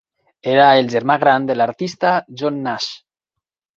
Era el germà gran de l'artista John Nash.